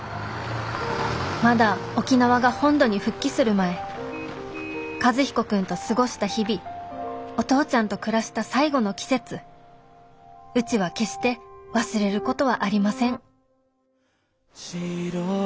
まだ沖縄が本土に復帰する前和彦君と過ごした日々お父ちゃんと暮らした最後の季節うちは決して忘れることはありません